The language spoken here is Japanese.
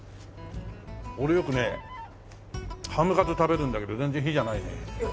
俺よくねハムカツ食べるんだけど全然比じゃないね。